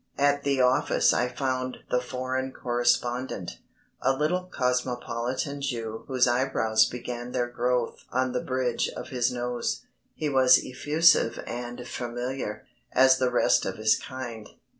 At the office I found the foreign correspondent, a little cosmopolitan Jew whose eyebrows began their growth on the bridge of his nose. He was effusive and familiar, as the rest of his kind.